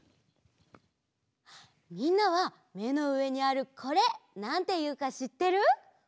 みんなはめのうえにあるこれなんていうかしってる？